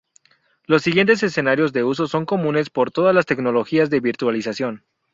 Los siguientes escenarios de uso son comunes para todas las tecnologías de virtualización.